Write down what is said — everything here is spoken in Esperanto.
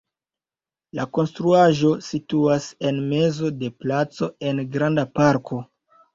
La konstruaĵo situas en mezo de placo en granda parko.